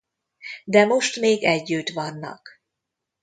De most még együtt vannak.